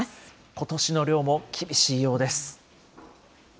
ことしの漁も厳しいようです。